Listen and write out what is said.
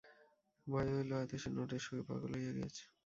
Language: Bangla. ভয় হইল, হয়তো সে নোটের শোকে পাগল হইয়া গিয়াছে।